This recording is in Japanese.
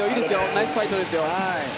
ナイスファイトですよ。